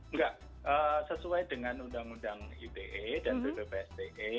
enggak sesuai dengan undang undang ide dan juga bsde